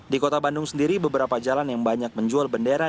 di kota bandung sendiri beberapa jalan yang banyak menjual bendera